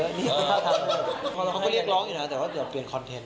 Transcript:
เรียกร้องอยู่นะแต่นี้จะเปลี่ยนคอนเทนต์